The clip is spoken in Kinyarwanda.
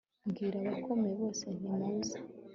mbwira abakomeye bose nti muze